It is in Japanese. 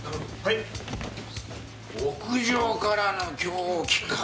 屋上からの凶器か。